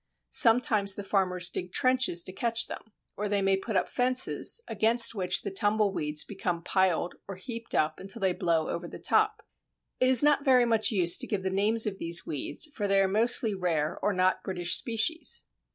Sometimes the farmers dig trenches to catch them, or they may put up fences against which the tumble weeds become piled or heaped up until they blow over the top. It is not very much use to give the names of these weeds, for they are mostly rare or not British species.